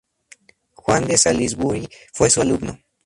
Juan de Salisbury fue su alumno.